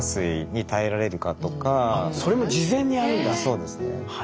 そうですね。